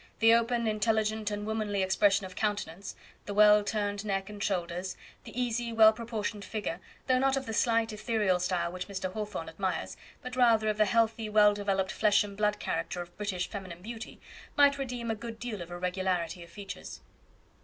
The open, intelligent, and womanly expression of countenance the well turned neck and shoulders the easy, well proportioned figure though not of the slight ethereal style which Mr. Hawthorne admires, but rather of the healthy, well developed flesh and blood character of British feminine beauty might redeem a good deal of irregularity of features.